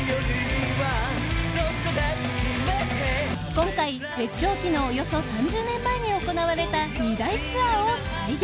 今回、絶頂期のおよそ３０年前に行われた２大ツアーを再現。